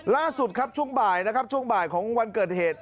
ล่าสุดครับช่วงบ่ายนะครับช่วงบ่ายของวันเกิดเหตุ